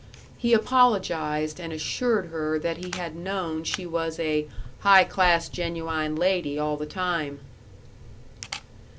'" He apologized and assured her that he had known she was a "high class genuwine lady all the time."